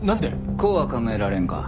こうは考えられんか？